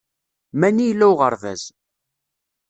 Mani yella uɣerbaz